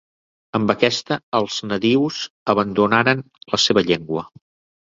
Amb aquesta els nadius abandonaren la seva llengua.